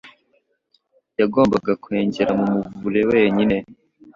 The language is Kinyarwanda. Yagombaga kwengera mu muvure wenyine,